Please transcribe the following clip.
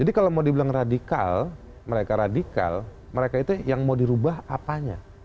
jadi kalau mau dibilang radikal mereka radikal mereka itu yang mau dirubah apanya